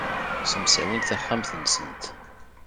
Ssemsawint taxxamt-nsent.